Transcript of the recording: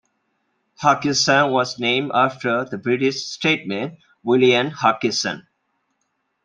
Huskisson was named after the British statesman William Huskisson.